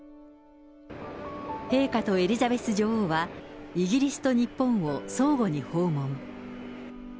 陛下とエリザベス女王は、イギリスと日本を相互に訪問。